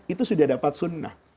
itu sudah dapat sunnah